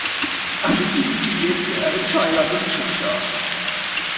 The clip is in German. Anschließend lebte er in Thailand und China.